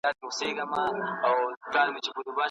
ایا د جګړې او سولې رومان زموږ د وخت اړتیا ده؟